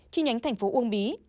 chi nhánh thành phố uông bí